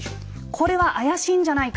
これは怪しいんじゃないか！